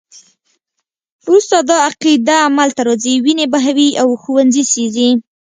وروسته دا عقیده عمل ته راځي، وینې بهوي او ښوونځي سیزي.